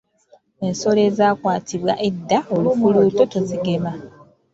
Ensolo ezaakwatibwa edda olufuluuto tozigema.